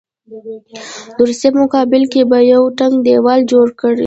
د روسیې په مقابل کې به یو ټینګ دېوال جوړ کړي.